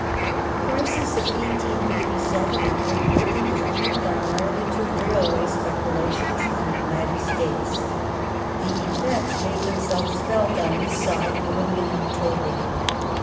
The crisis of 1857 in Great Britain was due primarily to railway speculations in the United States. The effects made themselves felt on this side early in October.